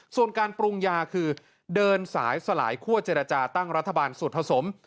ส่วนการปรุงยาคือเดินสายสลายคั่วเจรจาตั้งรัฐบาลสูตรผสม